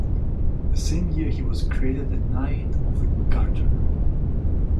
The same year he was created a Knight of the Garter.